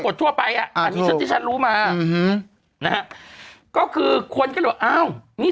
ทั่วไปอ่ะอันนี้ที่ฉันรู้มานะฮะก็คือคนก็เลยบอกอ้าวนี่